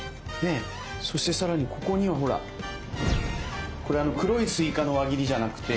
そして更にここにはほらこれ黒いスイカの輪切りじゃなくて。